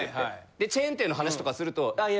でチェーン店の話とかすると。